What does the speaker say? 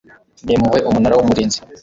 n impuhwe umunara w umurinzi